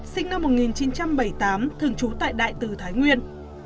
sinh năm một nghìn chín trăm bảy mươi tám thường trú tại đại tử thái nguyên